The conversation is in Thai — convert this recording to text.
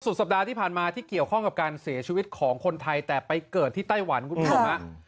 สัปดาห์ที่ผ่านมาที่เกี่ยวข้องกับการเสียชีวิตของคนไทยแต่ไปเกิดที่ไต้หวันคุณผู้ชมฮะ